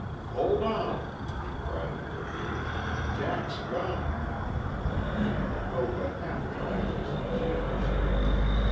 "Hold on!" he cried in her ear. "Jack's gone!" Though but half conscious, she understood.